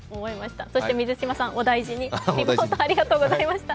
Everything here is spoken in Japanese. そして水島さん、お大事にリポートありがとうございました。